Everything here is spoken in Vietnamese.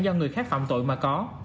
do người khác phạm tội mà có